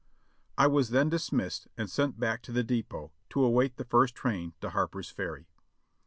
I was then dismissed and sent back to the depot to await the first train to Harper's Ferry.